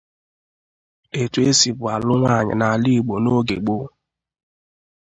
etu e sibụ alụ nwaanyị n'ala Igbo n'oge gboo